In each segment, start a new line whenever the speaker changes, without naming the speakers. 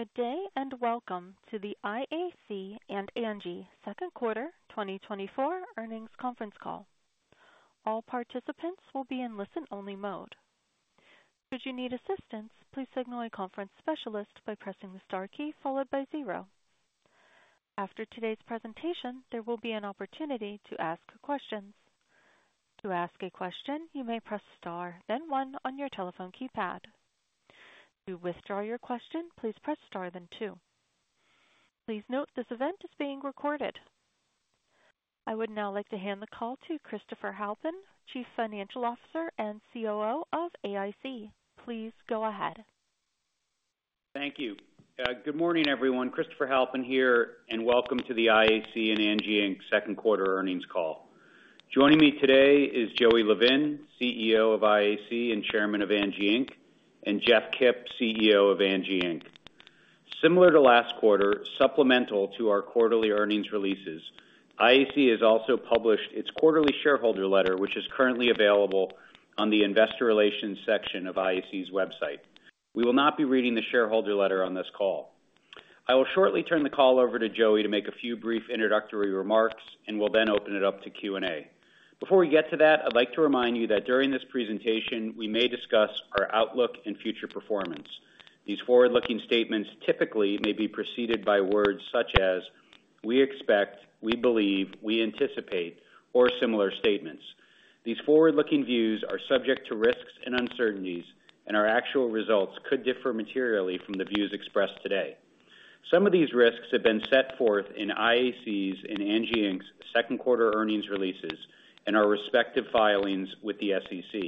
Good day and welcome to the IAC and Angi Second Quarter 2024 earnings conference call. All participants will be in listen-only mode. Should you need assistance, please signal a conference specialist by pressing the star key followed by zero. After today's presentation, there will be an opportunity to ask questions. To ask a question, you may press star, then one on your telephone keypad. To withdraw your question, please press star, then two. Please note this event is being recorded. I would now like to hand the call to Christopher Halpin, Chief Financial Officer and COO of IAC. Please go ahead.
Thank you. Good morning, everyone. Christopher Halpin here, and welcome to the IAC and Angi Inc. Second Quarter earnings call. Joining me today is Joey Levin, CEO of IAC and Chairman of Angi Inc., and Jeff Kip, CEO of Angi Inc. Similar to last quarter, supplemental to our quarterly earnings releases, IAC has also published its quarterly shareholder letter, which is currently available on the investor relations section of IAC's website. We will not be reading the shareholder letter on this call. I will shortly turn the call over to Joey to make a few brief introductory remarks, and we'll then open it up to Q&A. Before we get to that, I'd like to remind you that during this presentation, we may discuss our outlook and future performance. These forward-looking statements typically may be preceded by words such as, "We expect," "We believe," "We anticipate," or similar statements. These forward-looking views are subject to risks and uncertainties, and our actual results could differ materially from the views expressed today. Some of these risks have been set forth in IAC's and Angi Inc.'s second quarter earnings releases and our respective filings with the SEC.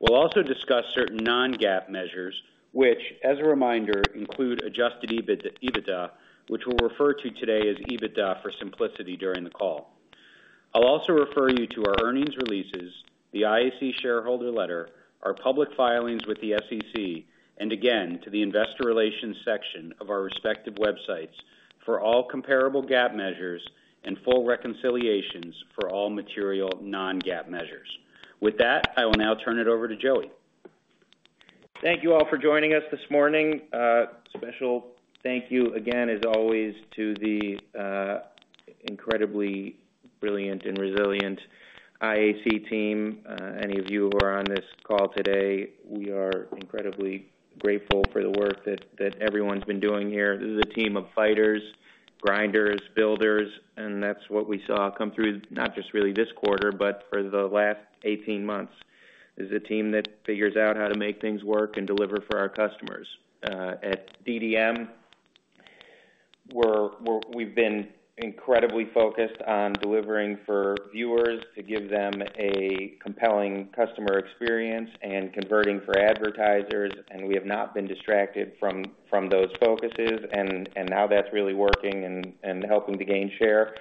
We'll also discuss certain non-GAAP measures, which, as a reminder, include adjusted EBITDA, which we'll refer to today as EBITDA for simplicity during the call. I'll also refer you to our earnings releases, the IAC shareholder letter, our public filings with the SEC, and again, to the investor relations section of our respective websites for all comparable GAAP measures and full reconciliations for all material non-GAAP measures. With that, I will now turn it over to Joey. Thank you all for joining us this morning. Special thank you again, as always, to the incredibly brilliant and resilient IAC team. Any of you who are on this call today, we are incredibly grateful for the work that everyone's been doing here. This is a team of fighters, grinders, builders, and that's what we saw come through not just really this quarter, but for the last 18 months. This is a team that figures out how to make things work and deliver for our customers. At DDM, we've been incredibly focused on delivering for viewers to give them a compelling customer experience and converting for advertisers, and we have not been distracted from those focuses, and now that's really working and helping to gain share.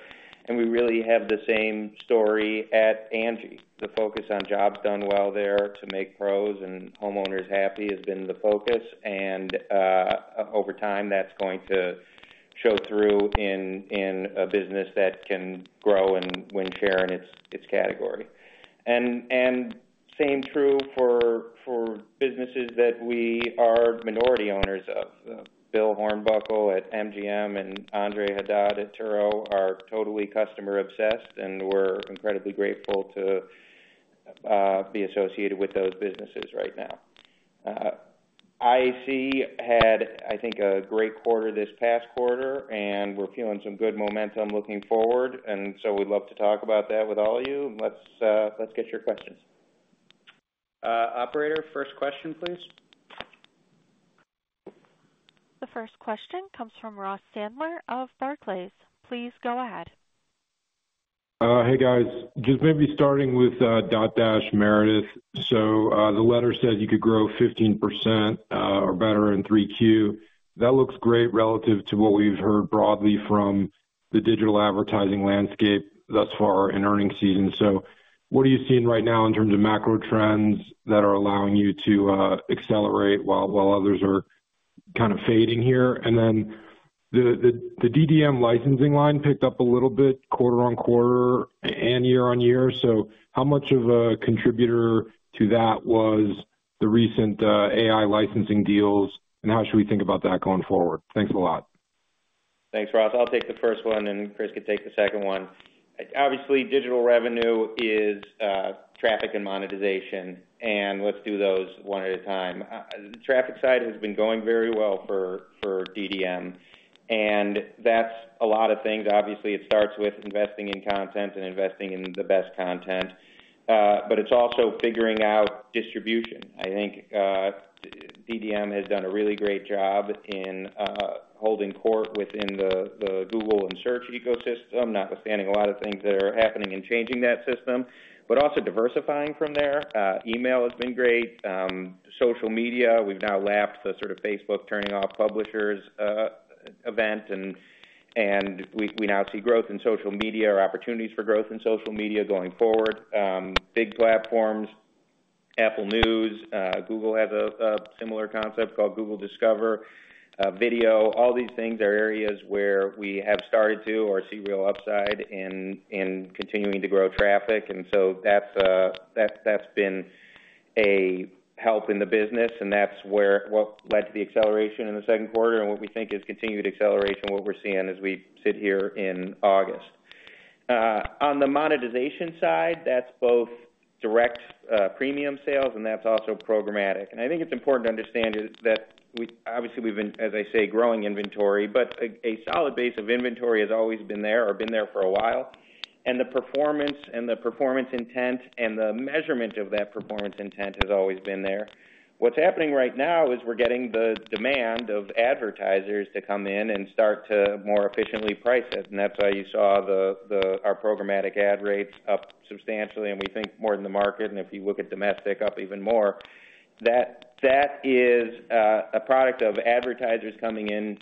We really have the same story at Angi. The focus on Jobs Done Well there to make pros and homeowners happy has been the focus, and over time, that's going to show through in a business that can grow and win share in its category. And same true for businesses that we are minority owners of. Bill Hornbuckle at MGM and Andre Haddad at Turo are totally customer-obsessed, and we're incredibly grateful to be associated with those businesses right now. IAC had, I think, a great quarter this past quarter, and we're feeling some good momentum looking forward, and so we'd love to talk about that with all of you. Let's get your questions. Operator, first question, please.
The first question comes from Ross Sandler of Barclays. Please go ahead.
Hey, guys. Just maybe starting with Dotdash Meredith. So the letter said you could grow 15% or better in 3Q. That looks great relative to what we've heard broadly from the digital advertising landscape thus far in earnings season. So what are you seeing right now in terms of macro trends that are allowing you to accelerate while others are kind of fading here? And then the DDM licensing line picked up a little bit quarter-over-quarter and year-over-year. So how much of a contributor to that was the recent AI licensing deals, and how should we think about that going forward? Thanks a lot.
Thanks, Ross. I'll take the first one, and Chris could take the second one. Obviously, digital revenue is traffic and monetization, and let's do those one at a time. The traffic side has been going very well for DDM, and that's a lot of things. Obviously, it starts with investing in content and investing in the best content, but it's also figuring out distribution. I think DDM has done a really great job in holding court within the Google and search ecosystem, notwithstanding a lot of things that are happening and changing that system, but also diversifying from there. Email has been great. Social media, we've now lapped the sort of Facebook turning off publishers event, and we now see growth in social media, or opportunities for growth in social media going forward. Big platforms, Apple News, Google has a similar concept called Google Discover, video. All these things are areas where we have started to, or see real upside in continuing to grow traffic, and so that's been a help in the business, and that's what led to the acceleration in the second quarter and what we think is continued acceleration of what we're seeing as we sit here in August. On the monetization side, that's both direct premium sales, and that's also programmatic. I think it's important to understand that obviously we've been, as I say, growing inventory, but a solid base of inventory has always been there, or been there for a while, and the performance and the performance intent and the measurement of that performance intent has always been there. What's happening right now is we're getting the demand of advertisers to come in and start to more efficiently price it, and that's why you saw our programmatic ad rates up substantially, and we think more than the market, and if you look at domestic, up even more. That is a product of advertisers coming in,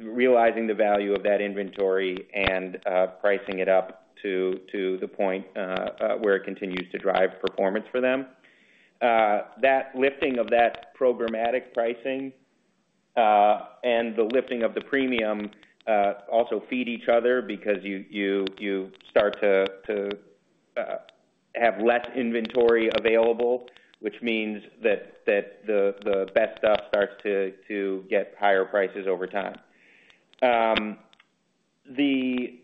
realizing the value of that inventory and pricing it up to the point where it continues to drive performance for them. That lifting of that programmatic pricing and the lifting of the premium also feed each other because you start to have less inventory available, which means that the best stuff starts to get higher prices over time. The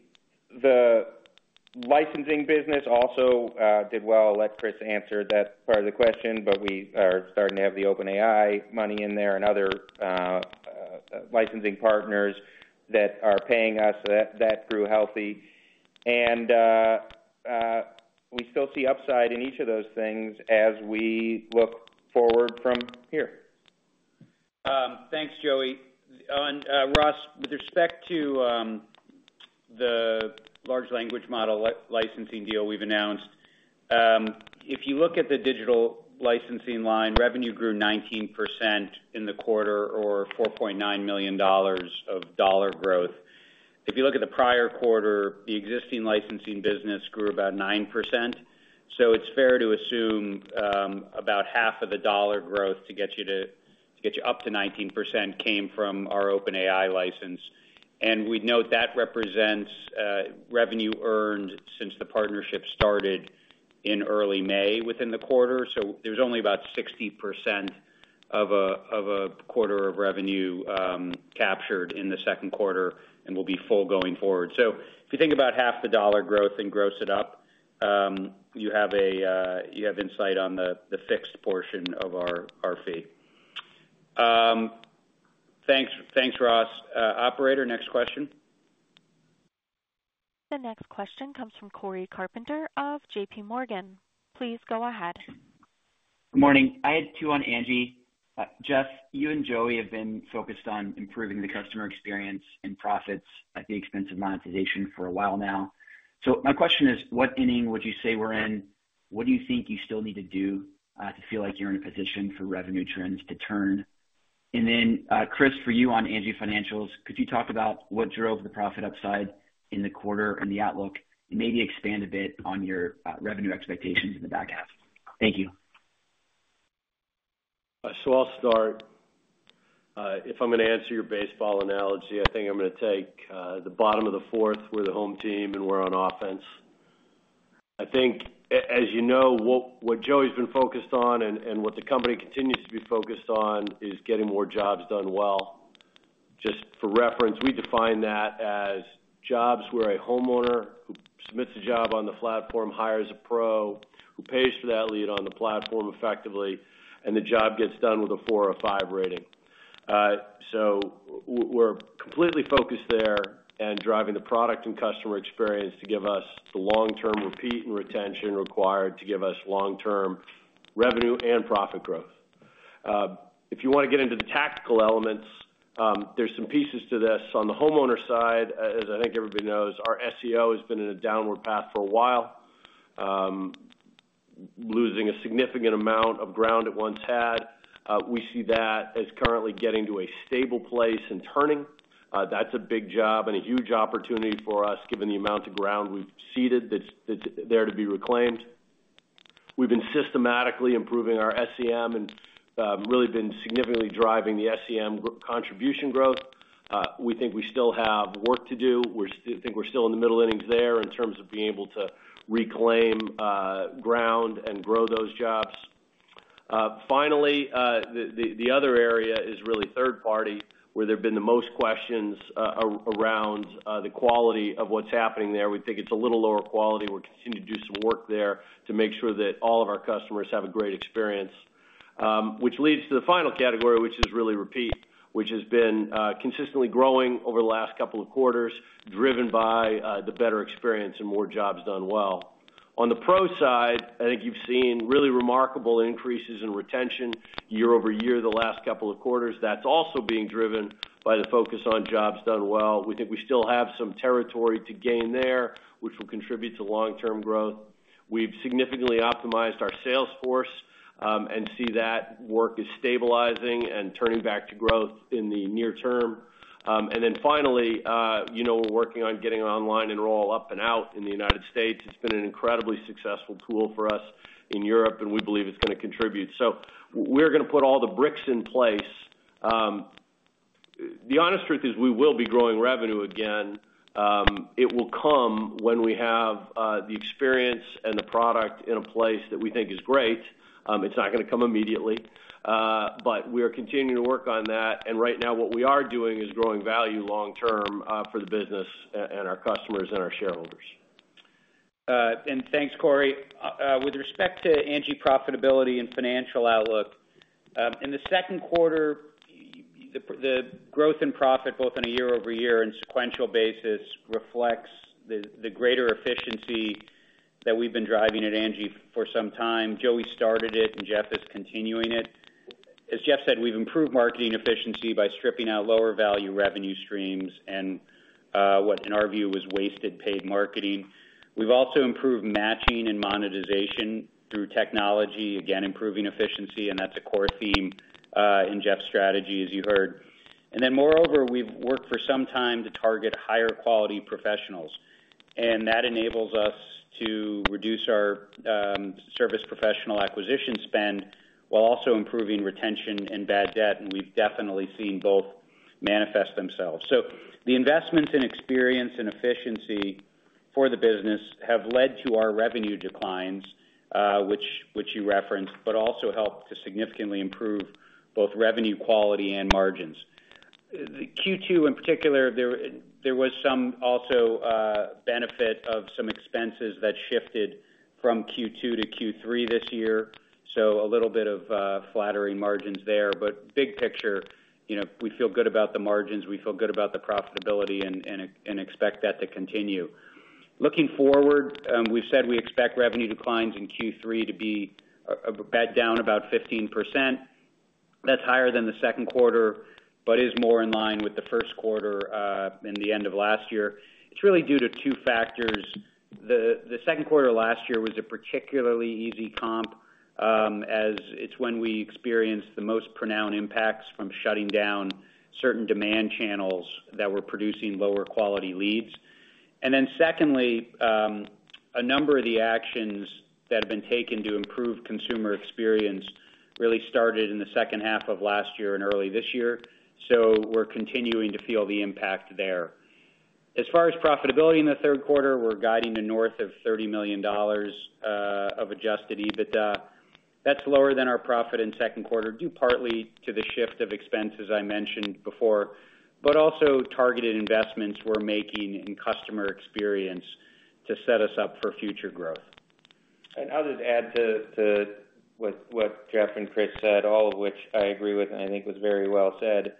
licensing business also did well. I'll let Chris answer that part of the question, but we are starting to have the OpenAI money in there and other licensing partners that are paying us. That grew healthy, and we still see upside in each of those things as we look forward from here.
Thanks, Joey. Ross, with respect to the large language model licensing deal we've announced, if you look at the digital licensing line, revenue grew 19% in the quarter, or $4.9 million of dollar growth. If you look at the prior quarter, the existing licensing business grew about 9%, so it's fair to assume about half of the dollar growth to get you up to 19% came from our OpenAI license. We'd note that represents revenue earned since the partnership started in early May within the quarter, so there's only about 60% of a quarter of revenue captured in the second quarter and will be full going forward. So if you think about half the dollar growth and gross it up, you have insight on the fixed portion of our fee. Thanks, Ross. Operator, next question.
The next question comes from Corey Carpenter of JPMorgan. Please go ahead.
Good morning. I had two on Angi. Jeff, you and Joey have been focused on improving the customer experience and profits at the expense of monetization for a while now. So my question is, what ending would you say we're in? What do you think you still need to do to feel like you're in a position for revenue trends to turn? And then Chris, for you on Angi financials, could you talk about what drove the profit upside in the quarter and the outlook, and maybe expand a bit on your revenue expectations in the back half? Thank you.
I'll start. If I'm going to answer your baseball analogy, I think I'm going to take the bottom of the fourth, we're the home team and we're on offense. I think, as you know, what Joey's been focused on and what the company continues to be focused on is getting more jobs done well. Just for reference, we define that as jobs where a homeowner who submits a job on the platform hires a pro who pays for that lead on the platform effectively, and the job gets done with a four or a five rating. We're completely focused there and driving the product and customer experience to give us the long-term repeat and retention required to give us long-term revenue and profit growth. If you want to get into the tactical elements, there's some pieces to this. On the homeowner side, as I think everybody knows, our SEO has been in a downward path for a while, losing a significant amount of ground it once had. We see that as currently getting to a stable place and turning. That's a big job and a huge opportunity for us, given the amount of ground we've ceded that's there to be reclaimed. We've been systematically improving our SEM and really been significantly driving the SEM contribution growth. We think we still have work to do. I think we're still in the middle innings there in terms of being able to reclaim ground and grow those jobs. Finally, the other area is really third-party, where there have been the most questions around the quality of what's happening there. We think it's a little lower quality. We're continuing to do some work there to make sure that all of our customers have a great experience, which leads to the final category, which is really repeat, which has been consistently growing over the last couple of quarters, driven by the better experience and more jobs done well. On the pro side, I think you've seen really remarkable increases in retention year-over-year the last couple of quarters. That's also being driven by the focus on jobs done well. We think we still have some territory to gain there, which will contribute to long-term growth. We've significantly optimized our sales force and see that work is stabilizing and turning back to growth in the near term. And then finally, we're working on getting online and roll up and out in the United States. It's been an incredibly successful tool for us in Europe, and we believe it's going to contribute. So we're going to put all the bricks in place. The honest truth is we will be growing revenue again. It will come when we have the experience and the product in a place that we think is great. It's not going to come immediately, but we are continuing to work on that, and right now what we are doing is growing value long-term for the business and our customers and our shareholders.
Thanks, Corey. With respect to Angi profitability and financial outlook, in the second quarter, the growth in profit, both on a year-over-year and sequential basis, reflects the greater efficiency that we've been driving at Angi for some time. Joey started it, and Jeff is continuing it. As Jeff said, we've improved marketing efficiency by stripping out lower value revenue streams and what, in our view, was wasted paid marketing. We've also improved matching and monetization through technology, again improving efficiency, and that's a core theme in Jeff's strategy, as you heard. Moreover, we've worked for some time to target higher quality professionals, and that enables us to reduce our service professional acquisition spend while also improving retention and bad debt, and we've definitely seen both manifest themselves. So the investments in experience and efficiency for the business have led to our revenue declines, which you referenced, but also helped to significantly improve both revenue quality and margins. Q2, in particular, there was some also benefit of some expenses that shifted from Q2 to Q3 this year, so a little bit of flattering margins there, but big picture, we feel good about the margins, we feel good about the profitability, and expect that to continue. Looking forward, we've said we expect revenue declines in Q3 to be back down about 15%. That's higher than the second quarter, but is more in line with the first quarter in the end of last year. It's really due to two factors. The second quarter last year was a particularly easy comp, as it's when we experienced the most pronounced impacts from shutting down certain demand channels that were producing lower quality leads. And then secondly, a number of the actions that have been taken to improve consumer experience really started in the second half of last year and early this year, so we're continuing to feel the impact there. As far as profitability in the third quarter, we're guiding to north of $30 million of Adjusted EBITDA. That's lower than our profit in second quarter, due partly to the shift of expenses I mentioned before, but also targeted investments we're making in customer experience to set us up for future growth. I'll just add to what Jeff and Chris said, all of which I agree with and I think was very well said.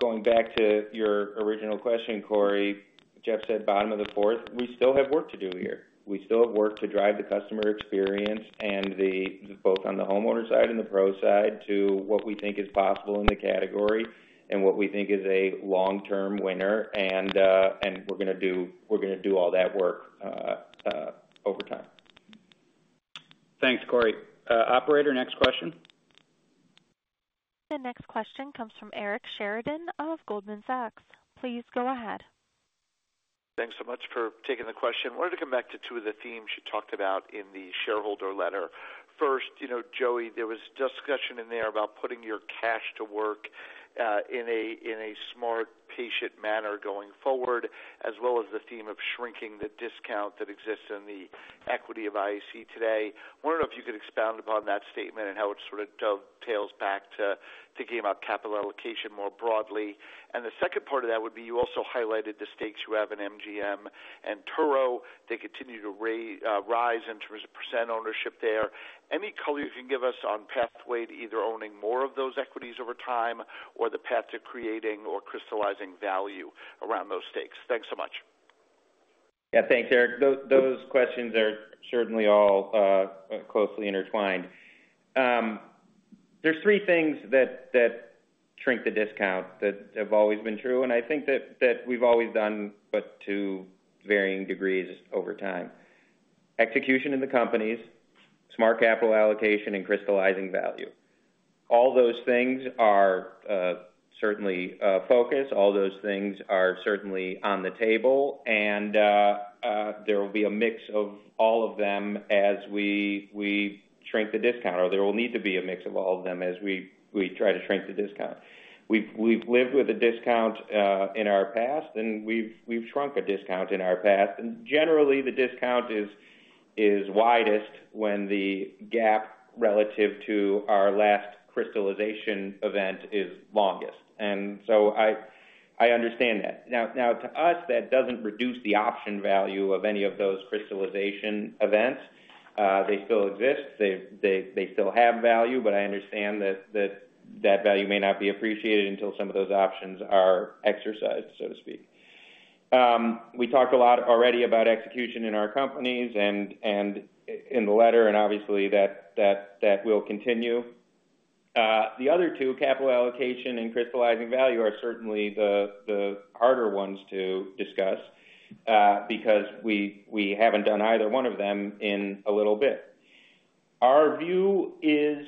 Going back to your original question, Corey, Jeff said bottom of the fourth, we still have work to do here. We still have work to drive the customer experience, both on the homeowner side and the pro side, to what we think is possible in the category and what we think is a long-term winner, and we're going to do all that work over time. Thanks, Corey. Operator, next question.
The next question comes from Eric Sheridan of Goldman Sachs. Please go ahead.
Thanks so much for taking the question. I wanted to come back to two of the themes you talked about in the shareholder letter. First, Joey, there was discussion in there about putting your cash to work in a smart, patient manner going forward, as well as the theme of shrinking the discount that exists in the equity of IAC today. I wonder if you could expound upon that statement and how it sort of dovetails back to thinking about capital allocation more broadly. And the second part of that would be you also highlighted the stakes you have in MGM and Turo. They continue to rise in terms of percent ownership there. Any color you can give us on pathway to either owning more of those equities over time or the path to creating or crystallizing value around those stakes? Thanks so much.
Yeah, thanks, Eric. Those questions are certainly all closely intertwined. There's three things that shrink the discount that have always been true, and I think that we've always done. But to varying degrees over time. Execution in the companies, smart capital allocation, and crystallizing value. All those things are certainly a focus. All those things are certainly on the table, and there will be a mix of all of them as we shrink the discount, or there will need to be a mix of all of them as we try to shrink the discount. We've lived with a discount in our past, and we've shrunk a discount in our past, and generally the discount is widest when the gap relative to our last crystallization event is longest. And so I understand that. Now, to us, that doesn't reduce the option value of any of those crystallization events. They still exist. They still have value, but I understand that that value may not be appreciated until some of those options are exercised, so to speak. We talked a lot already about execution in our companies and in the letter, and obviously that will continue. The other two, capital allocation and crystallizing value, are certainly the harder ones to discuss because we haven't done either one of them in a little bit. Our view is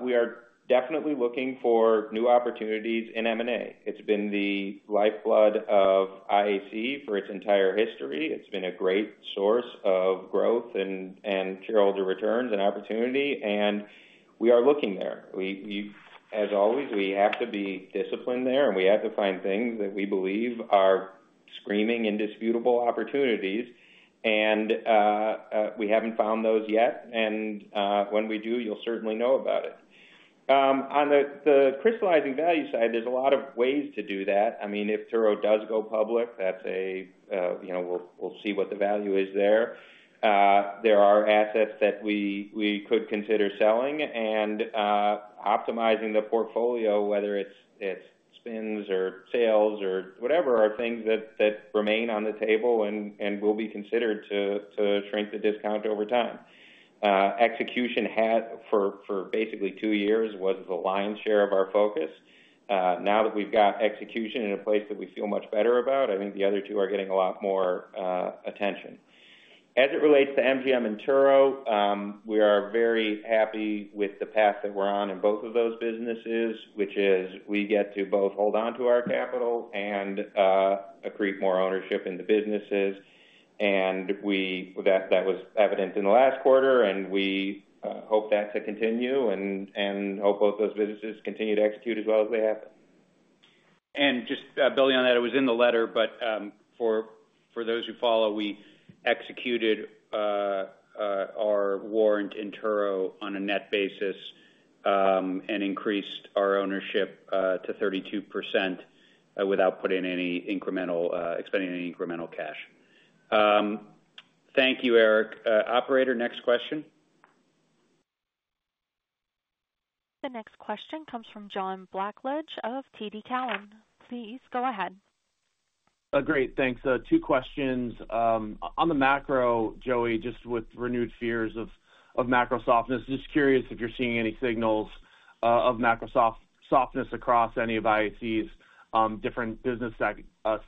we are definitely looking for new opportunities in M&A. It's been the lifeblood of IAC for its entire history. It's been a great source of growth and shareholder returns and opportunity, and we are looking there. As always, we have to be disciplined there, and we have to find things that we believe are screaming indisputable opportunities, and we haven't found those yet, and when we do, you'll certainly know about it. On the crystallizing value side, there's a lot of ways to do that. I mean, if Turo does go public, we'll see what the value is there. There are assets that we could consider selling, and optimizing the portfolio, whether it's spins or sales or whatever, are things that remain on the table and will be considered to shrink the discount over time. Execution for basically two years was the lion's share of our focus. Now that we've got execution in a place that we feel much better about, I think the other two are getting a lot more attention. As it relates to MGM and Turo, we are very happy with the path that we're on in both of those businesses, which is we get to both hold on to our capital and accrete more ownership in the businesses, and that was evident in the last quarter, and we hope that to continue and hope both those businesses continue to execute as well as they have. Just building on that, it was in the letter, but for those who follow, we executed our warrant in Turo on a net basis and increased our ownership to 32% without expending any incremental cash. Thank you, Eric. Operator, next question.
The next question comes from John Blackledge of TD Cowen. Please go ahead.
Great. Thanks. Two questions. On the macro, Joey, just with renewed fears of macro softness, just curious if you're seeing any signals of macro softness across any of IAC's different business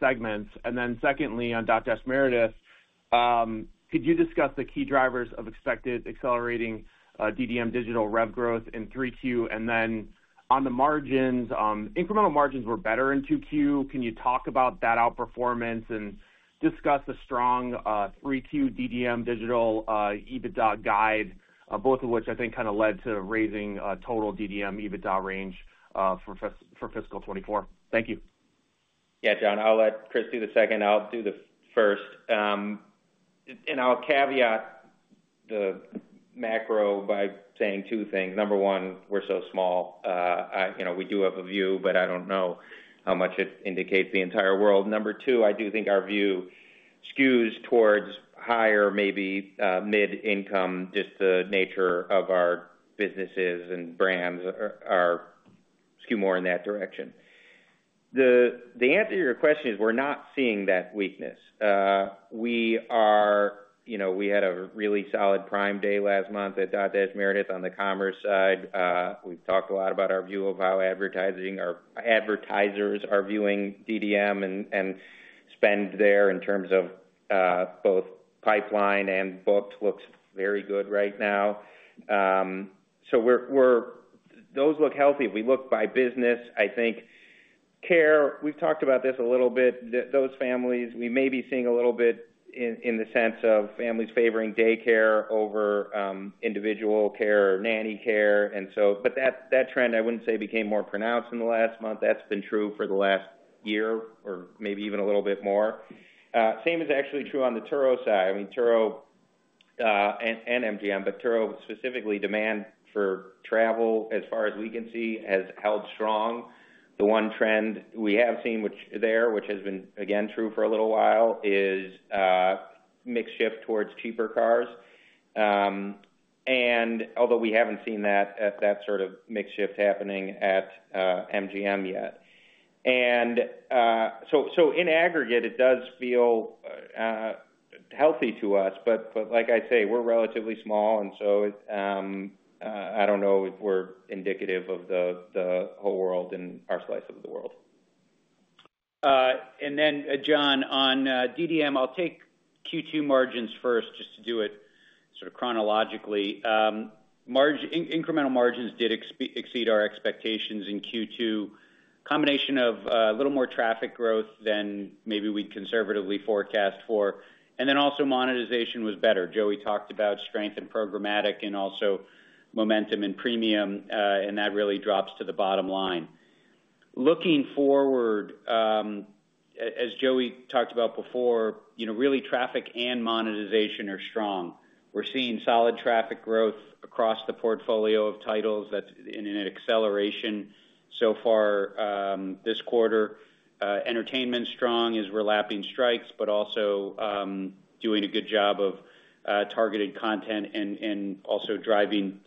segments. And then secondly, on Dotdash Meredith, could you discuss the key drivers of expected accelerating DDM digital rev growth in 3Q? And then on the margins, incremental margins were better in 2Q. Can you talk about that outperformance and discuss the strong 3Q DDM digital EBITDA guide, both of which I think kind of led to raising total DDM EBITDA range for fiscal 2024? Thank you.
Yeah, John, I'll let Chris do the second. I'll do the first. And I'll caveat the macro by saying two things. Number one, we're so small. We do have a view, but I don't know how much it indicates the entire world. Number two, I do think our view skews towards higher, maybe mid-income, just the nature of our businesses and brands skew more in that direction. The answer to your question is we're not seeing that weakness. We had a really solid Prime Day last month at Dotdash Meredith on the commerce side. We've talked a lot about our view of how advertisers are viewing DDM and spend there in terms of both pipeline and booked looks very good right now. So those look healthy. We look by business.
I think Care, we've talked about this a little bit, those families, we may be seeing a little bit in the sense of families favoring dayCare over individual Care or nanny Care. And so, but that trend I wouldn't say became more pronounced in the last month. That's been true for the last year or maybe even a little bit more. Same is actually true on the Turo side. I mean, Turo and MGM, but Turo specifically, demand for travel, as far as we can see, has held strong. The one trend we have seen there, which has been again true for a little while, is mixed shift towards cheaper cars. And although we haven't seen that sort of mixed shift happening at MGM yet. And so in aggregate, it does feel healthy to us, but like I say, we're relatively small, and so I don't know if we're indicative of the whole world and our slice of the world. And then, John, on DDM, I'll take Q2 margins first just to do it sort of chronologically. Incremental margins did exceed our expectations in Q2, a combination of a little more traffic growth than maybe we'd conservatively forecast for, and then also monetization was better. Joey talked about strength in programmatic and also momentum in premium, and that really drops to the bottom line. Looking forward, as Joey talked about before, really traffic and monetization are strong. We're seeing solid traffic growth across the portfolio of titles. That's in an acceleration so far this quarter. Entertainment's strong as we're lapping strikes, but also doing a good job of targeted content and also driving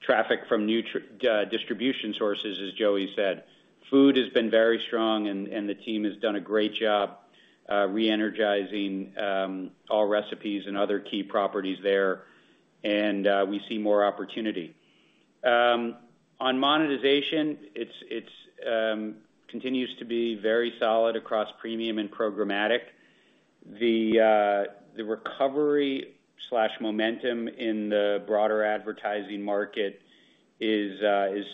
traffic from new distribution sources, as Joey said. Food has been very strong, and the team has done a great job re-energizing all recipes and other key properties there, and we see more opportunity. On monetization, it continues to be very solid across premium and programmatic. The recovery and momentum in the broader advertising market is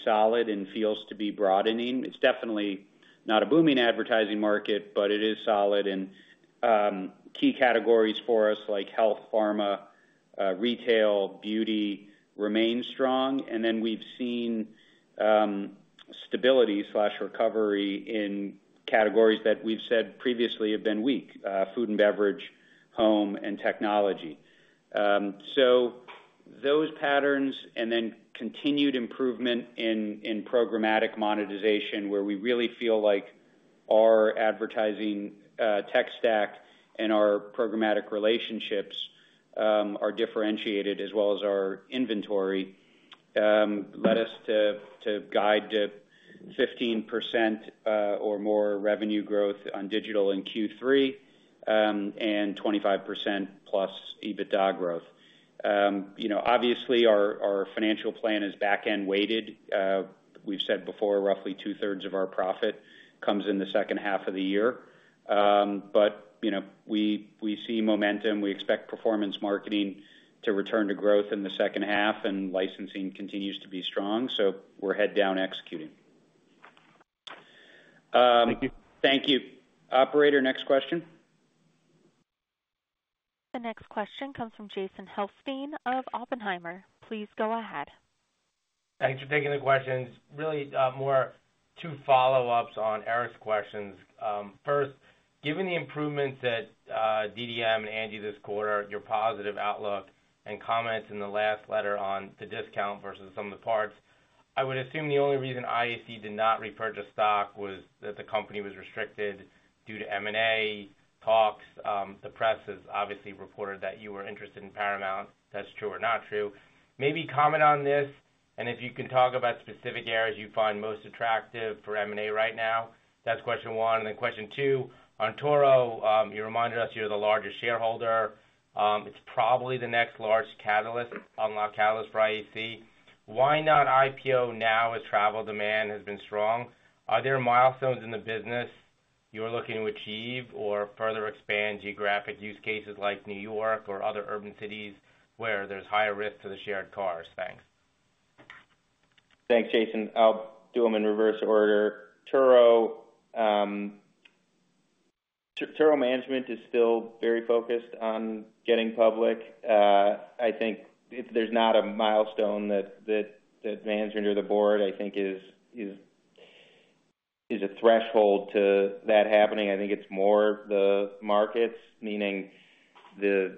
solid and feels to be broadening. It's definitely not a booming advertising market, but it is solid, and key categories for us like health, pharma, retail, beauty remain strong. And then we've seen stability and recovery in categories that we've said previously have been weak: food and beverage, home, and technology. So those patterns and then continued improvement in programmatic monetization, where we really feel like our advertising tech stack and our programmatic relationships are differentiated as well as our inventory, led us to guide to 15% or more revenue growth on digital in Q3 and 25%+ EBITDA growth. Obviously, our financial plan is back-end weighted. We've said before roughly two-thirds of our profit comes in the second half of the year, but we see momentum. We expect performance marketing to return to growth in the second half, and licensing continues to be strong, so we're head-down executing.
Thank you.
Thank you. Operator, next question.
The next question comes from Jason Helfstein of Oppenheimer. Please go ahead.
Thanks for taking the questions. Really more two follow-ups on Eric's questions. First, given the improvements at DDM and Angi this quarter, your positive outlook, and comments in the last letter on the discount versus some of the parts, I would assume the only reason IAC did not repurchase stock was that the company was restricted due to M&A talks. The press has obviously reported that you were interested in Paramount. That's true or not true? Maybe comment on this, and if you can talk about specific areas you find most attractive for M&A right now. That's question one. And then question two, on Turo, you reminded us you're the largest shareholder. It's probably the next large catalyst, unlock catalyst for IAC. Why not IPO now as travel demand has been strong? Are there milestones in the business you're looking to achieve or further expand geographic use cases like New York or other urban cities where there's higher risk to the shared cars? Thanks.
Thanks, Jason. I'll do them in reverse order. Turo management is still very focused on getting public. I think there's not a milestone that management or the board I think is a threshold to that happening. I think it's more the markets, meaning the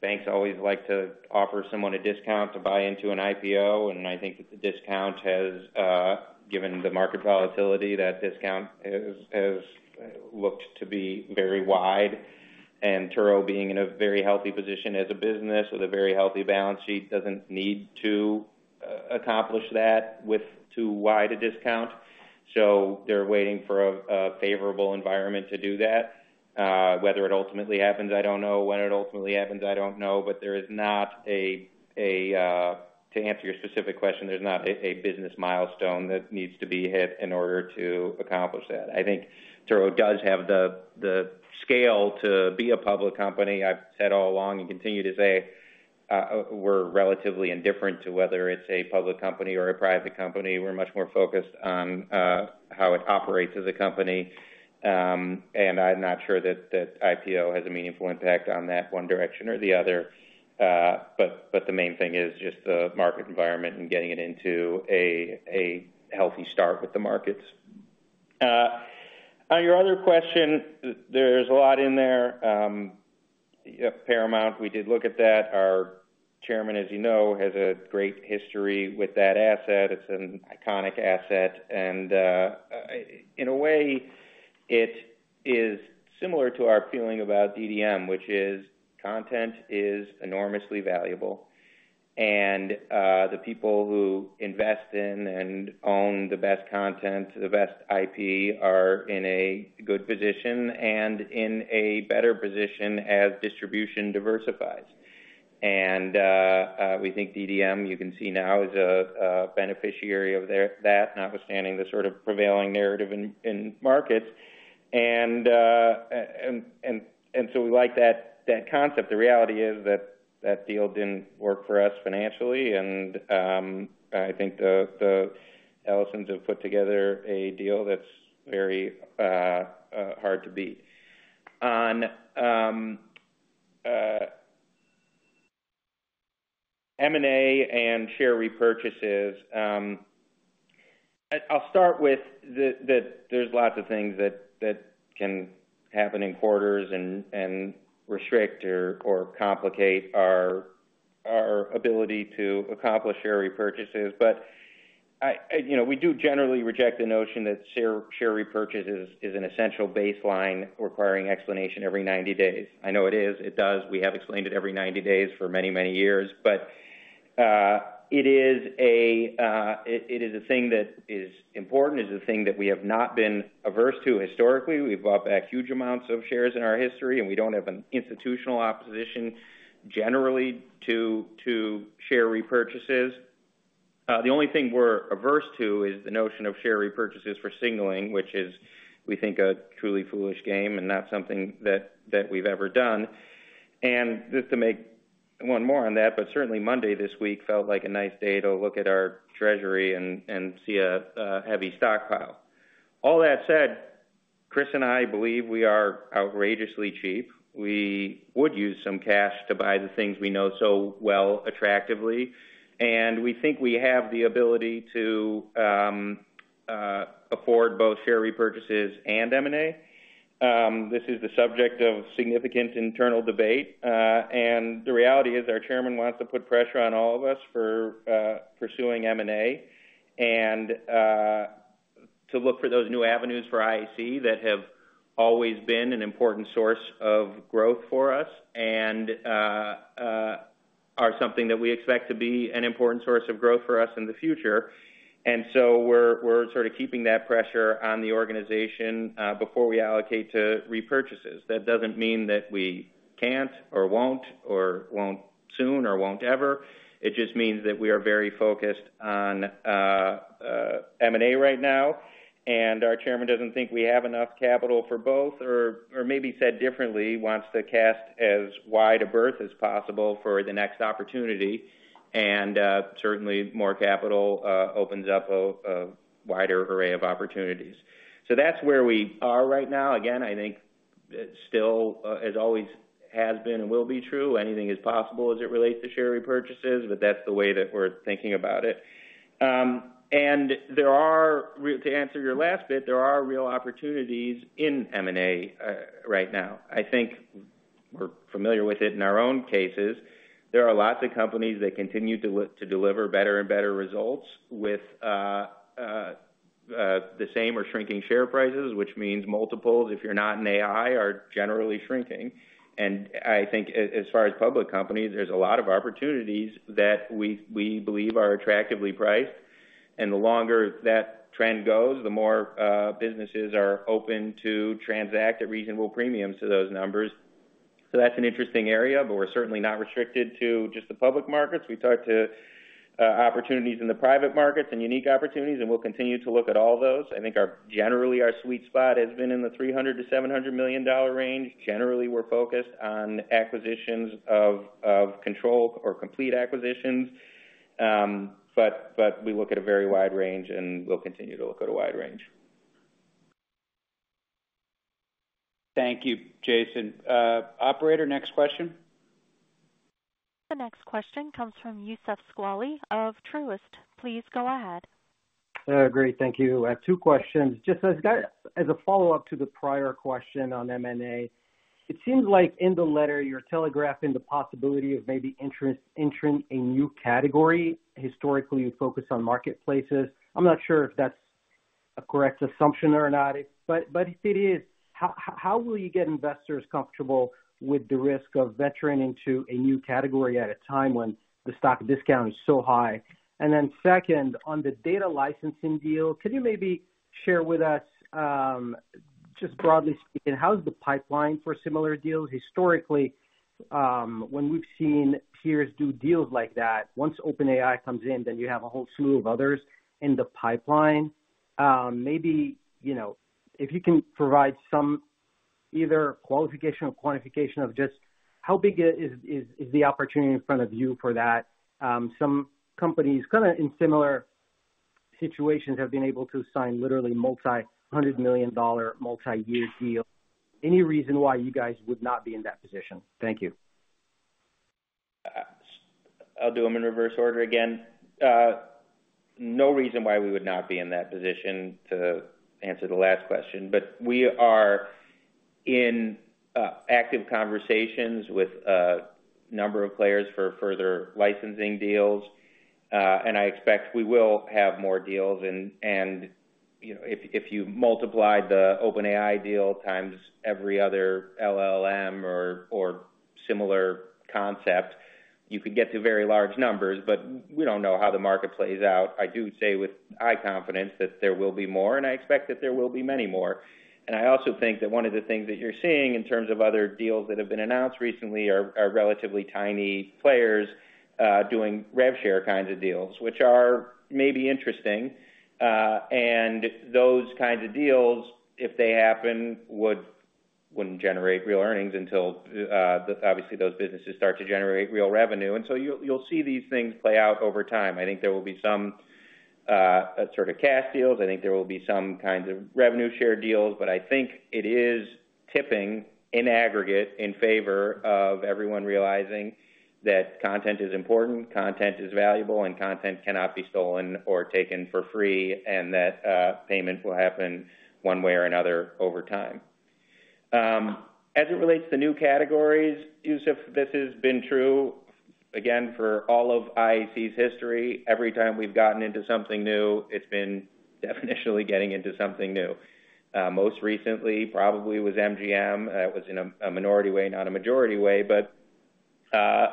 banks always like to offer someone a discount to buy into an IPO, and I think that the discount has, given the market volatility, that discount has looked to be very wide. And Turo, being in a very healthy position as a business with a very healthy balance sheet, doesn't need to accomplish that with too wide a discount. So they're waiting for a favorable environment to do that. Whether it ultimately happens, I don't know. When it ultimately happens, I don't know, but there is not a, to answer your specific question, there's not a business milestone that needs to be hit in order to accomplish that. I think Turo does have the scale to be a public company. I've said all along and continue to say we're relatively indifferent to whether it's a public company or a private company. We're much more focused on how it operates as a company, and I'm not sure that IPO has a meaningful impact on that one direction or the other. But the main thing is just the market environment and getting it into a healthy start with the markets. On your other question, there's a lot in there. Paramount, we did look at that. Our chairman, as you know, has a great history with that asset. It's an iconic asset, and in a way, it is similar to our feeling about DDM, which is content is enormously valuable, and the people who invest in and own the best content, the best IP, are in a good position and in a better position as distribution diversifies. And we think DDM, you can see now, is a beneficiary of that, notwithstanding the sort of prevailing narrative in markets. And so we like that concept. The reality is that that deal didn't work for us financially, and I think the Ellisons have put together a deal that's very hard to beat. On M&A and share repurchases, I'll start with that there's lots of things that can happen in quarters and restrict or complicate our ability to accomplish share repurchases. But we do generally reject the notion that share repurchase is an essential baseline requiring explanation every 90 days. I know it is. It does. We have explained it every 90 days for many, many years, but it is a thing that is important. It's a thing that we have not been averse to historically. We've bought back huge amounts of shares in our history, and we don't have an institutional opposition generally to share repurchases. The only thing we're averse to is the notion of share repurchases for signaling, which is, we think, a truly foolish game and not something that we've ever done. Just to make one more on that, but certainly Monday this week felt like a nice day to look at our treasury and see a heavy stockpile. All that said, Chris and I believe we are outrageously cheap. We would use some cash to buy the things we know so well attractively, and we think we have the ability to afford both share repurchases and M&A. This is the subject of significant internal debate, and the reality is our chairman wants to put pressure on all of us for pursuing M&A and to look for those new avenues for IAC that have always been an important source of growth for us and are something that we expect to be an important source of growth for us in the future. And so we're sort of keeping that pressure on the organization before we allocate to repurchases. That doesn't mean that we can't or won't or won't soon or won't ever. It just means that we are very focused on M&A right now, and our chairman doesn't think we have enough capital for both, or maybe said differently, wants to cast as wide a net as possible for the next opportunity, and certainly more capital opens up a wider array of opportunities. So that's where we are right now. Again, I think still, as always has been and will be true, anything is possible as it relates to share repurchases, but that's the way that we're thinking about it. And to answer your last bit, there are real opportunities in M&A right now. I think we're familiar with it in our own cases. There are lots of companies that continue to deliver better and better results with the same or shrinking share prices, which means multiples if you're not in AI are generally shrinking. I think as far as public companies, there's a lot of opportunities that we believe are attractively priced, and the longer that trend goes, the more businesses are open to transact at reasonable premiums to those numbers. So that's an interesting area, but we're certainly not restricted to just the public markets. We talked to opportunities in the private markets and unique opportunities, and we'll continue to look at all those. I think generally our sweet spot has been in the $300 million-$700 million range. Generally, we're focused on acquisitions of control or complete acquisitions, but we look at a very wide range, and we'll continue to look at a wide range. Thank you, Jason. Operator, next question.
The next question comes from Youssef Squali of Truist Securities. Please go ahead. Great. Thank you. I have two questions. Just as a follow-up to the prior question on M&A, it seems like in the letter you're telegraphing the possibility of maybe entering a new category. Historically, you focus on marketplaces. I'm not sure if that's a correct assumption or not, but if it is, how will you get investors comfortable with the risk of venturing into a new category at a time when the stock discount is so high? And then second, on the data licensing deal, could you maybe share with us, just broadly speaking, how's the pipeline for similar deals? Historically, when we've seen peers do deals like that, once OpenAI comes in, then you have a whole slew of others in the pipeline. Maybe if you can provide some either qualification or quantification of just how big is the opportunity in front of you for that? Some companies kind of in similar situations have been able to sign literally multi-hundred million dollar, multi-year deal. Any reason why you guys would not be in that position? Thank you.
I'll do them in reverse order again. No reason why we would not be in that position to answer the last question, but we are in active conversations with a number of players for further licensing deals, and I expect we will have more deals. And if you multiply the OpenAI deal times every other LLM or similar concept, you could get to very large numbers, but we don't know how the market plays out. I do say with high confidence that there will be more, and I expect that there will be many more. And I also think that one of the things that you're seeing in terms of other deals that have been announced recently are relatively tiny players doing rev share kinds of deals, which are maybe interesting. And those kinds of deals, if they happen, wouldn't generate real earnings until obviously those businesses start to generate real revenue. And so you'll see these things play out over time. I think there will be some sort of cash deals. I think there will be some kinds of revenue share deals, but I think it is tipping in aggregate in favor of everyone realizing that content is important, content is valuable, and content cannot be stolen or taken for free, and that payment will happen one way or another over time. As it relates to new categories, Youssef, this has been true again for all of IAC's history. Every time we've gotten into something new, it's been definitionally getting into something new. Most recently, probably with MGM, it was in a minority way, not a majority way, but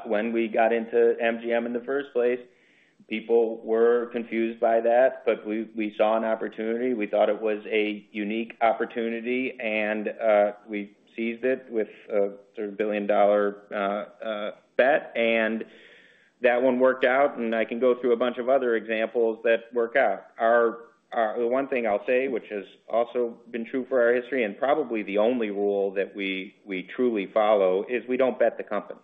when we got into MGM in the first place, people were confused by that, but we saw an opportunity. We thought it was a unique opportunity, and we seized it with a sort of billion-dollar bet, and that one worked out, and I can go through a bunch of other examples that work out. The one thing I'll say, which has also been true for our history and probably the only rule that we truly follow, is we don't bet the company.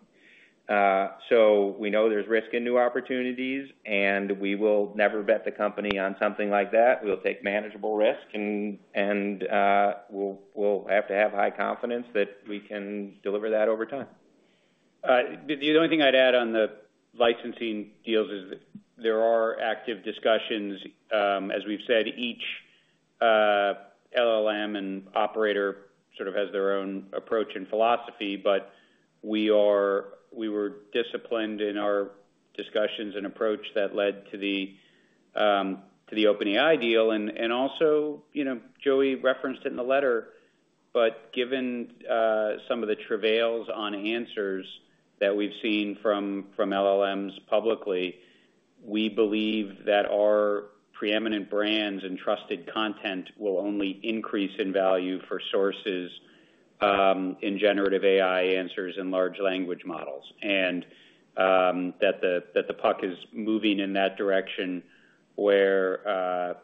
So we know there's risk in new opportunities, and we will never bet the company on something like that. We'll take manageable risk, and we'll have to have high confidence that we can deliver that over time. The only thing I'd add on the licensing deals is that there are active discussions. As we've said, each LLM and operator sort of has their own approach and philosophy, but we were disciplined in our discussions and approach that led to the OpenAI deal. And also, Joey referenced it in the letter, but given some of the travails on answers that we've seen from LLMs publicly, we believe that our preeminent brands and trusted content will only increase in value for sources in generative AI answers and large language models, and that the puck is moving in that direction where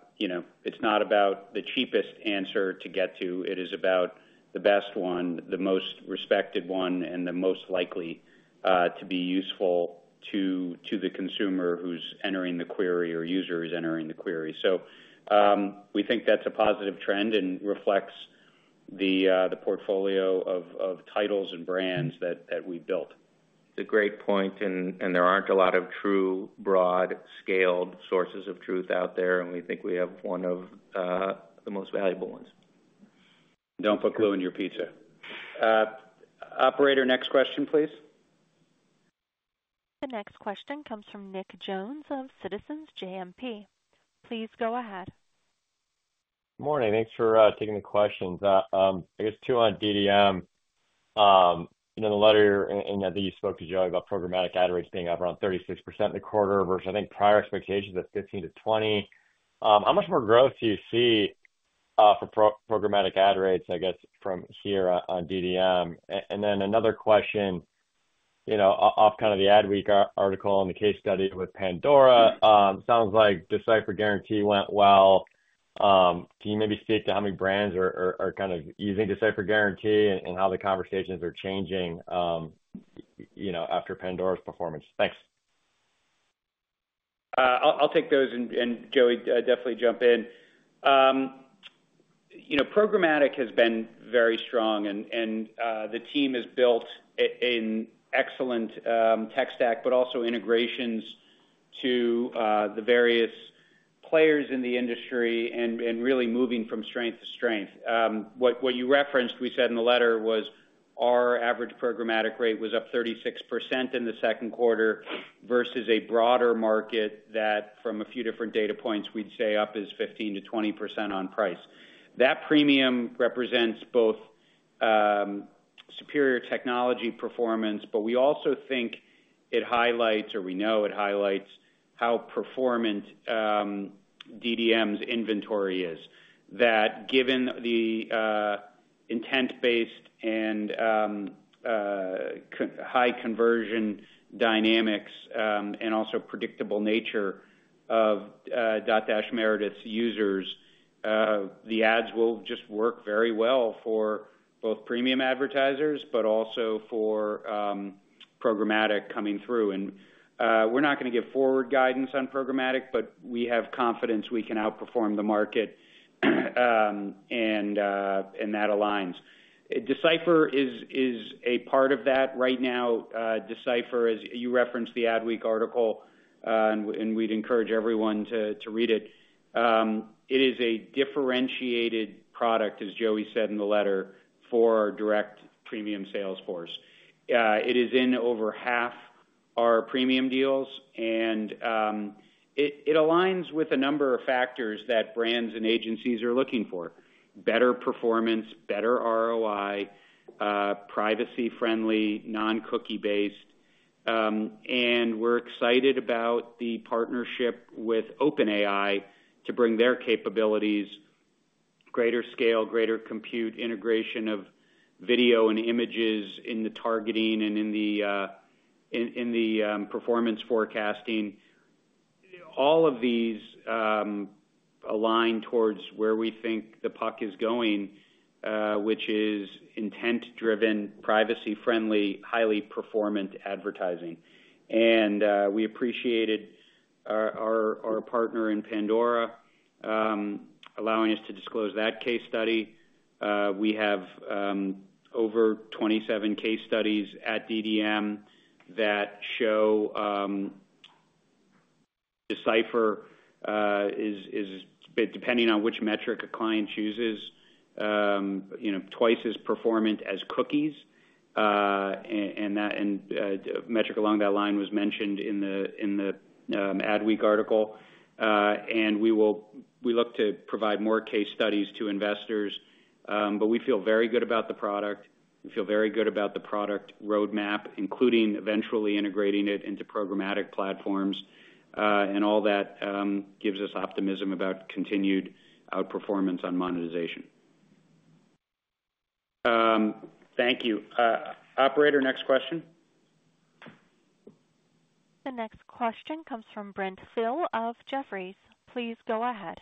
it's not about the cheapest answer to get to. It is about the best one, the most respected one, and the most likely to be useful to the consumer who's entering the query or user who's entering the query. So we think that's a positive trend and reflects the portfolio of titles and brands that we've built. It's a great point, and there aren't a lot of true broad scaled sources of truth out there, and we think we have one of the most valuable ones. Don't put glue in your pizza. Operator, next question, please.
The next question comes from Nick Jones of Citizens JMP. Please go ahead.
Good morning. Thanks for taking the questions. I guess two on DDM. In the letter that you spoke to Joey about programmatic ad rates being up around 36% in the quarter versus I think prior expectations of 15%-20%, how much more growth do you see for programmatic ad rates, I guess, from here on DDM? And then another question off kind of the Adweek article and the case study with Pandora. It sounds like D/Cipher Guarantee went well. Can you maybe speak to how many brands are kind of using D/Cipher Guarantee and how the conversations are changing after Pandora's performance? Thanks.
I'll take those, and Joey definitely jump in. Programmatic has been very strong, and the team has built an excellent tech stack, but also integrations to the various players in the industry and really moving from strength to strength. What you referenced, we said in the letter, was our average programmatic rate was up 36% in the second quarter versus a broader market that from a few different data points we'd say up is 15%-20% on price. That premium represents both superior technology performance, but we also think it highlights, or we know it highlights, how performant DDM's inventory is that given the intent-based and high conversion dynamics and also predictable nature of Dotdash Meredith's users, the ads will just work very well for both premium advertisers, but also for programmatic coming through. We're not going to give forward guidance on programmatic, but we have confidence we can outperform the market, and that aligns. D/Cipher is a part of that right now. D/Cipher, as you referenced the Adweek article, and we'd encourage everyone to read it, it is a differentiated product, as Joey said in the letter, for our direct premium sales force. It is in over half our premium deals, and it aligns with a number of factors that brands and agencies are looking for: better performance, better ROI, privacy-friendly, non-cookie-based. We're excited about the partnership with OpenAI to bring their capabilities, greater scale, greater compute, integration of video and images in the targeting and in the performance forecasting. All of these align towards where we think the puck is going, which is intent-driven, privacy-friendly, highly performant advertising. And we appreciated our partner in Pandora allowing us to disclose that case study. We have over 27 case studies at DDM that show D/Cipher is, depending on which metric a client chooses, twice as performant as cookies, and that metric along that line was mentioned in the Adweek article. And we look to provide more case studies to investors, but we feel very good about the product. We feel very good about the product roadmap, including eventually integrating it into programmatic platforms, and all that gives us optimism about continued outperformance on monetization. Thank you. Operator, next question.
The next question comes from Brent Thill of Jefferies. Please go ahead.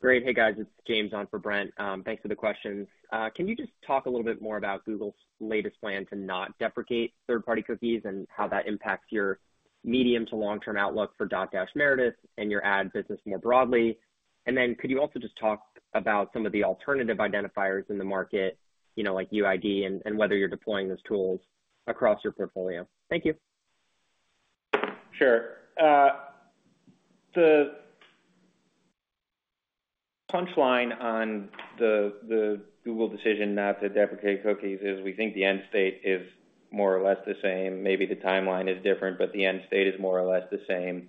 Great. Hey guys, it's James on for Brent.Thanks for the questions. Can you just talk a little bit more about Google's latest plan to not deprecate third-party cookies and how that impacts your medium to long-term outlook for Dotdash Meredith and your ad business more broadly? And then could you also just talk about some of the alternative identifiers in the market, like UID, and whether you're deploying those tools across your portfolio? Thank you.
Sure. The punchline on the Google decision not to deprecate cookies is, we think, the end state is more or less the same. Maybe the timeline is different, but the end state is more or less the same,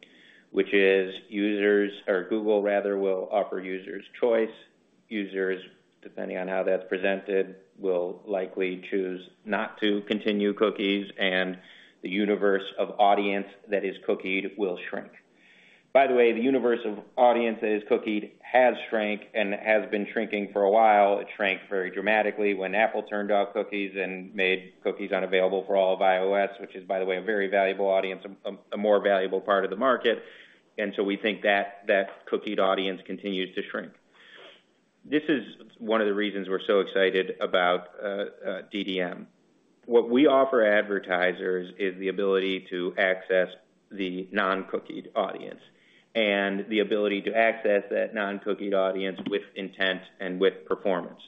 which is users, or Google rather, will offer users choice. Users, depending on how that's presented, will likely choose not to continue cookies, and the universe of audience that is cookied will shrink. By the way, the universe of audience that is cookied has shrunk and has been shrinking for a while. It shrank very dramatically when Apple turned off cookies and made cookies unavailable for all of iOS, which is, by the way, a very valuable audience, a more valuable part of the market. And so we think that that cookied audience continues to shrink. This is one of the reasons we're so excited about DDM. What we offer advertisers is the ability to access the non-cookied audience and the ability to access that non-cookied audience with intent and with performance.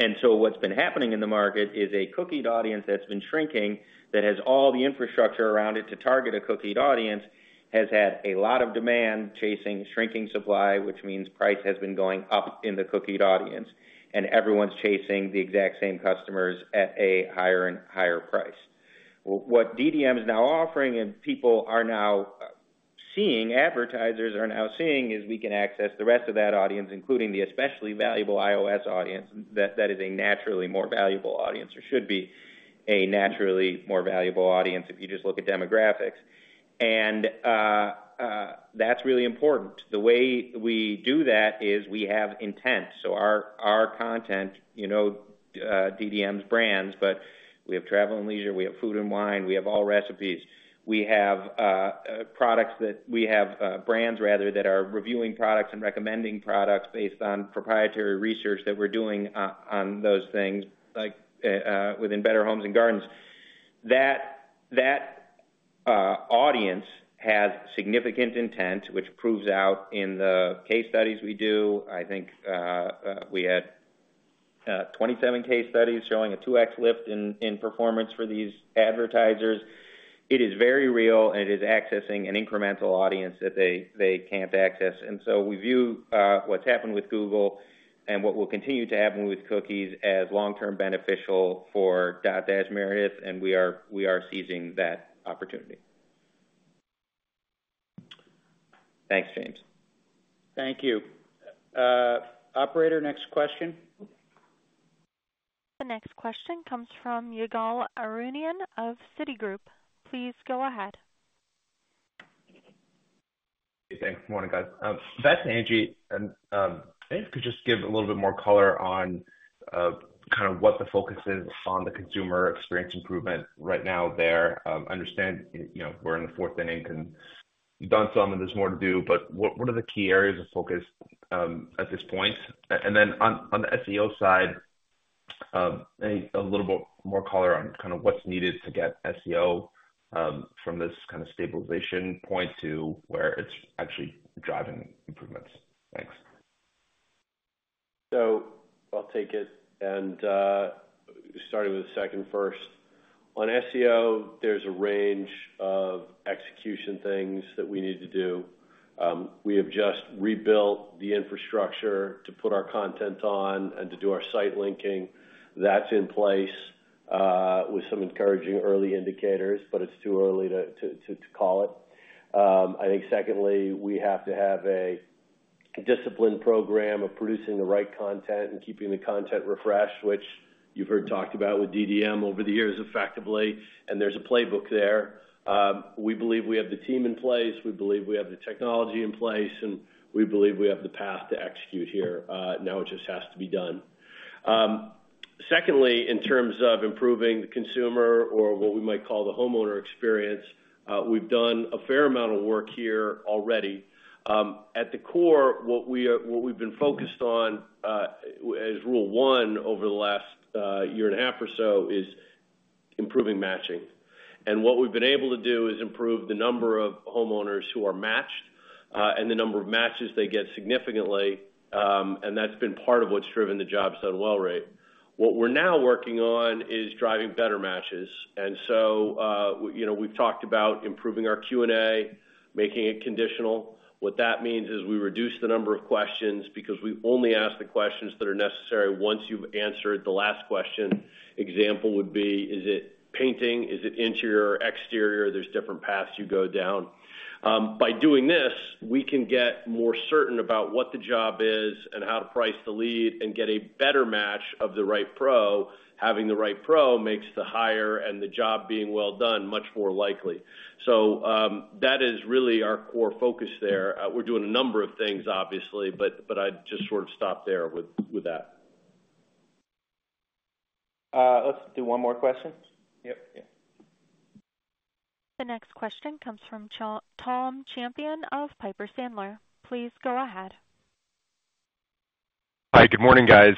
And so what's been happening in the market is a cookied audience that's been shrinking that has all the infrastructure around it to target a cookied audience has had a lot of demand chasing shrinking supply, which means price has been going up in the cookied audience, and everyone's chasing the exact same customers at a higher and higher price. What DDM is now offering, and people are now seeing, advertisers are now seeing, is we can access the rest of that audience, including the especially valuable iOS audience that is a naturally more valuable audience or should be a naturally more valuable audience if you just look at demographics. And that's really important. The way we do that is we have intent. So our content, DDM's brands, but we have Travel + Leisure, we have Food & Wine, we have Allrecipes. We have products that we have brands rather that are reviewing products and recommending products based on proprietary research that we're doing on those things within Better Homes & Gardens. That audience has significant intent, which proves out in the case studies we do. I think we had 27 case studies showing a 2x lift in performance for these advertisers. It is very real, and it is accessing an incremental audience that they can't access. And so we view what's happened with Google and what will continue to happen with cookies as long-term beneficial for Dotdash Meredith, and we are seizing that opportunity. Thanks, James. Thank you. Operator, next question.
The next question comes from Yigal Arounian of Citigroup. Please go ahead.
Hey, thanks. Morning, guys. That's Angi. If you could just give a little bit more color on kind of what the focus is on the consumer experience improvement right now there. I understand we're in the fourth inning and done some, and there's more to do, but what are the key areas of focus at this point? And then on the SEO side, a little bit more color on kind of what's needed to get SEO from this kind of stabilization point to where it's actually driving improvements. Thanks.
So I'll take it. And starting with the second first. On SEO, there's a range of execution things that we need to do. We have just rebuilt the infrastructure to put our content on and to do our site linking. That's in place with some encouraging early indicators, but it's too early to call it. I think secondly, we have to have a disciplined program of producing the right content and keeping the content refreshed, which you've heard talked about with DDM over the years effectively, and there's a playbook there. We believe we have the team in place. We believe we have the technology in place, and we believe we have the path to execute here. Now it just has to be done. Secondly, in terms of improving the consumer or what we might call the homeowner experience, we've done a fair amount of work here already. At the core, what we've been focused on as rule one over the last year and a half or so is improving matching. What we've been able to do is improve the number of homeowners who are matched and the number of matches they get significantly, and that's been part of what's driven the Jobs Done Well rate. What we're now working on is driving better matches. So we've talked about improving our Q&A, making it conditional. What that means is we reduce the number of questions because we only ask the questions that are necessary once you've answered the last question. Example would be, is it painting? Is it interior or exterior? There's different paths you go down. By doing this, we can get more certain about what the job is and how to price the lead and get a better match of the right pro. Having the right pro makes the hire and the job being well done much more likely. So that is really our core focus there. We're doing a number of things, obviously, but I'd just sort of stop there with that.
Let's do one more question.
Yep.
Yeah.
The next question comes from Tom Champion of Piper Sandler. Please go ahead.
Hi, good morning, guys.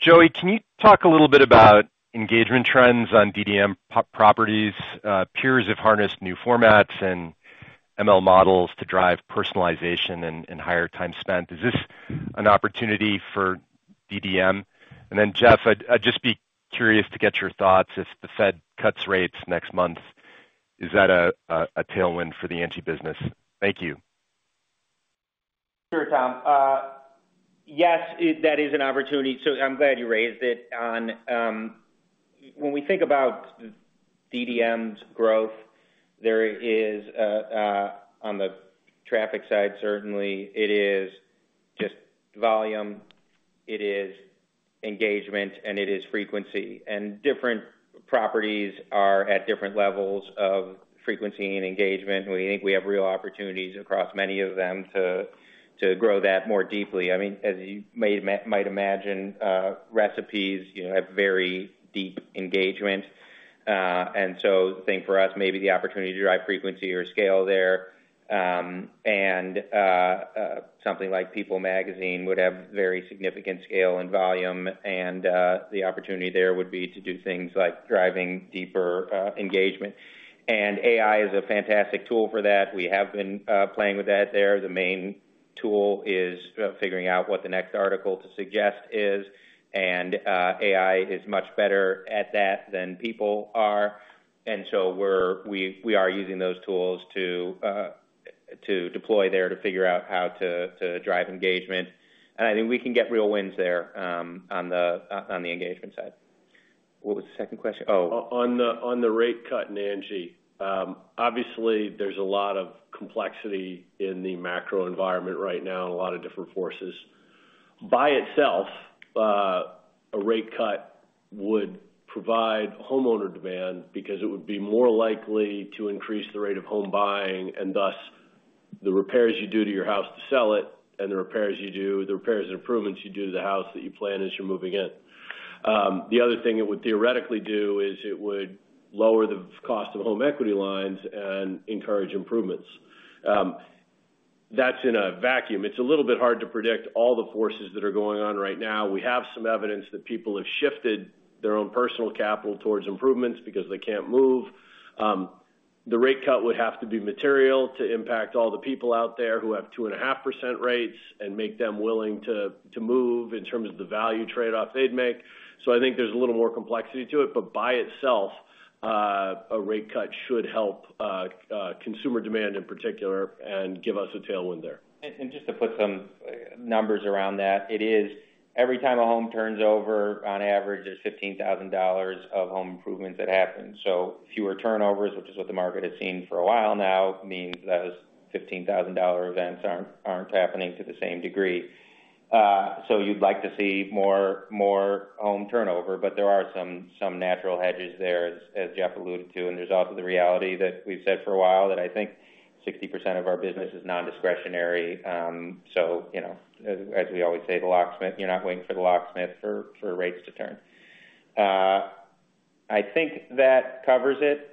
Joey, can you talk a little bit about engagement trends on DDM properties? Peers have harnessed new formats and ML models to drive personalization and higher time spent. Is this an opportunity for DDM? And then Jeff, I'd just be curious to get your thoughts. If the Fed cuts rates next month, is that a tailwind for the Angi business? Thank you.
Sure, Tom. Yes, that is an opportunity. So I'm glad you raised it. When we think about DDM's growth, there is on the traffic side, certainly it is just volume, it is engagement, and it is frequency. And different properties are at different levels of frequency and engagement. We think we have real opportunities across many of them to grow that more deeply. I mean, as you might imagine, recipes have very deep engagement. And so I think for us, maybe the opportunity to drive frequency or scale there. And something like People magazine would have very significant scale and volume, and the opportunity there would be to do things like driving deeper engagement. And AI is a fantastic tool for that. We have been playing with that there. The main tool is figuring out what the next article to suggest is, and AI is much better at that than people are. And so we are using those tools to deploy there to figure out how to drive engagement. And I think we can get real wins there on the engagement side. What was the second question? Oh. On the rate cut in Angi, obviously there's a lot of complexity in the macro environment right now and a lot of different forces. By itself, a rate cut would provide homeowner demand because it would be more likely to increase the rate of home buying and thus the repairs you do to your house to sell it and the repairs you do, the repairs and improvements you do to the house that you plan as you're moving in. The other thing it would theoretically do is it would lower the cost of home equity lines and encourage improvements. That's in a vacuum. It's a little bit hard to predict all the forces that are going on right now. We have some evidence that people have shifted their own personal capital towards improvements because they can't move. The rate cut would have to be material to impact all the people out there who have 2.5% rates and make them willing to move in terms of the value trade-off they'd make. So I think there's a little more complexity to it, but by itself, a rate cut should help consumer demand in particular and give us a tailwind there. And just to put some numbers around that, it is every time a home turns over, on average, there's $15,000 of home improvements that happen. So fewer turnovers, which is what the market has seen for a while now, means those $15,000 events aren't happening to the same degree. So you'd like to see more home turnover, but there are some natural hedges there, as Jeff alluded to. And there's also the reality that we've said for a while that I think 60% of our business is non-discretionary. So as we always say, the locksmith, you're not waiting for the locksmith for rates to turn. I think that covers it.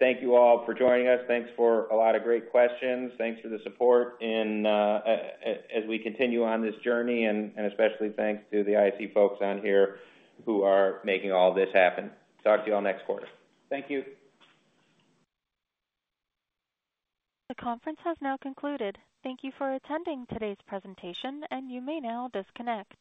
Thank you all for joining us. Thanks for a lot of great questions. Thanks for the support as we continue on this journey, and especially thanks to the IC folks on here who are making all this happen. Talk to you all next quarter. Thank you.
The conference has now concluded. Thank you for attending today's presentation, and you may now disconnect.